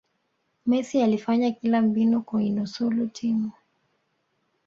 messi alifanya kila mbinu kuinusulu timu